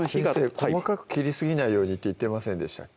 細かく切りすぎないようにって言ってませんでしたっけ